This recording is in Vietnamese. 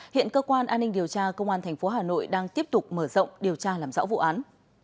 hiện cơ quan an ninh điều tra công an tp hà nội đang tiếp tục mở rộng điều tra làm rõ vụ án